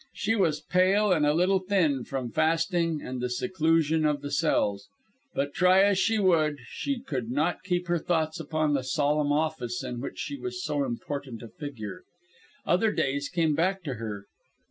She was pale and a little thin from fasting and the seclusion of the cells. But, try as she would, she could not keep her thoughts upon the solemn office in which she was so important a figure. Other days came back to her.